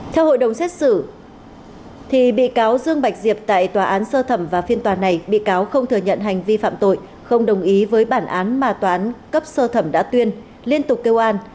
theo hội đồng xét xử bị cáo dương bạch diệp tại tòa án sơ thẩm và phiên tòa này bị cáo không thừa nhận hành vi phạm tội không đồng ý với bản án mà toán cấp sơ thẩm đã tuyên liên tục kêu an